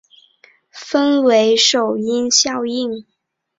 分为首因效应。